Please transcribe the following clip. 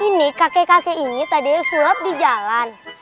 ini kakek kakek ini tadinya sulap di jalan